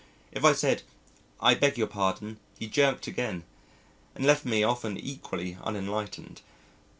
If I said, "I beg your pardon," he jerked again, and left me often equally unenlightened.